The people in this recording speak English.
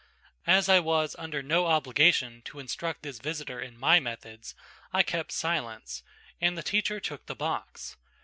As I was under no obligation to instruct this visitor in my methods, I kept silence, and the teacher took the box.